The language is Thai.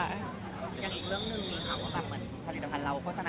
มันเป็นปัญหาจัดการอะไรครับ